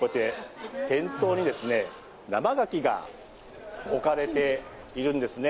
店頭に生がきが置かれているんですね。